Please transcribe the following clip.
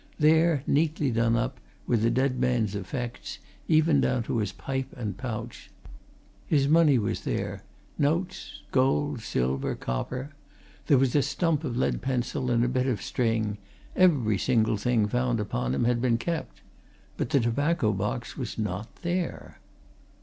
There, neatly done up, were the dead man's effects, even down to his pipe and pouch. His money was there, notes, gold, silver, copper; there was a stump of lead pencil and a bit of string; every single thing found upon him had been kept. But the tobacco box was not there.